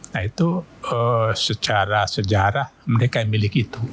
nah itu secara sejarah mereka yang milik itu